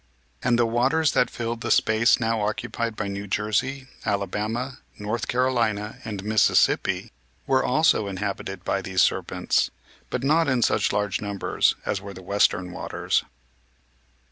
And the waters that filled the space now occupied by New Jersey, Alabama, North Carolina, and Mississippi were also inhabited by these serpents, but not in such large numbers as were the western waters.